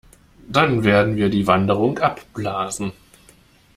Dann werden wir die Wanderung abblasen.